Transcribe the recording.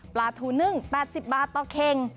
ปลาทูนึ่ง๘๐บาทต่อเข่ง